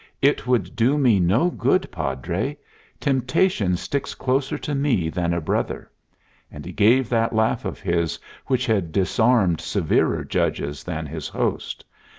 "It would do me no good, Padre. Temptation sticks closer to me than a brother!" and he gave that laugh of his which had disarmed severer judges than his host.